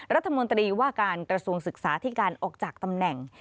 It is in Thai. รัฐมนตรีว่าการกระทรวงศึกษาที่การออกจากตำแหน่ง